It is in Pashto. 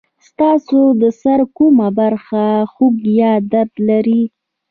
ستاسو د سر کومه برخه خوږ یا درد لري؟